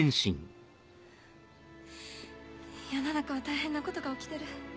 世の中は大変なことが起きてる。